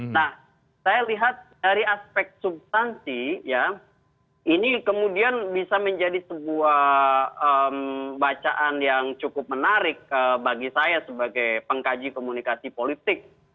nah saya lihat dari aspek substansi ya ini kemudian bisa menjadi sebuah bacaan yang cukup menarik bagi saya sebagai pengkaji komunikasi politik